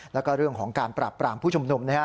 แล้วก็เรื่องของการปราบปรามผู้ชุมนุม